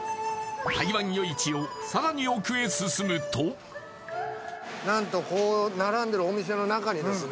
台湾夜市をさらに奥へ進むと何とこう並んでるお店の中にですね